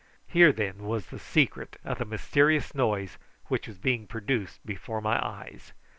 Here, then, was the secret of the mysterious noise which was being produced before my eyes.